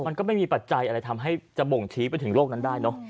มันก็ไม่มีปัจจัยอะไรทำให้จะบ่งชี้ไปถึงโลกนั้นได้เนอะ